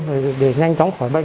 rồi nhanh chóng khỏi bệnh